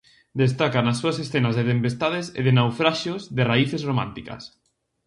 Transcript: Destacan as súas escenas de tempestades e de naufraxios de raíces románticas.